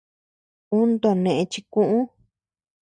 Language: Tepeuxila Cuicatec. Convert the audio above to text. Uu too nëe chikuʼu.